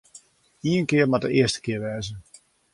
Ien kear moat de earste kear wêze.